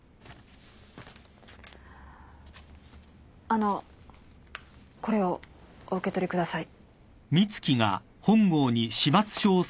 あのこれをお受け取りください。